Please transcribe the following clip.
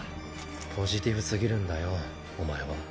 ポジティブすぎるんだよお前は。